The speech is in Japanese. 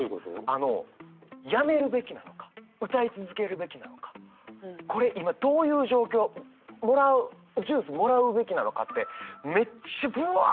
あのやめるべきなのか歌い続けるべきなのかこれ今どういう状況もらうジュースもらうべきなのかってめっちゃぶわあって頭働くんです